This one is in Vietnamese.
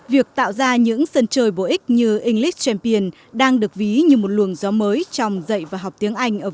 việc tạo ra những sân chơi bổ ích như english champion đang được ví như một luồng gió mới trong dạy và học tiếng anh ở